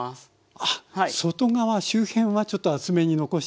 あっ外側周辺はちょっと厚めに残して。